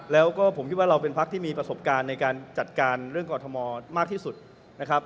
แล้วก็ผมคิดว่าเราเป็นพักที่มีประสบการณ์ในการจัดการเรื่องกรทมมากที่สุดนะครับ